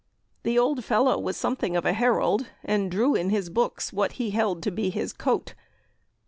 The old fellow was something of a herald, and drew in his books what he held to be his coat.